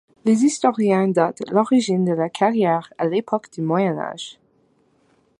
Les historiens datent l’origine de la carrière à l’époque du Moyen Âge.